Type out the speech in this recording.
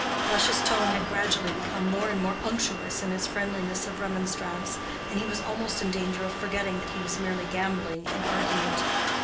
Lush's tone had gradually become more and more unctuous in its friendliness of remonstrance, and he was almost in danger of forgetting that he was merely gambling in argument.